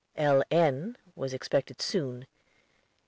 "L.N." was expected soon.